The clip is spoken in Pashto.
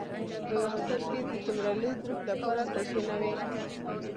په یوه هوټل کې د دومره لوی ګروپ لپاره کوټې نه وې.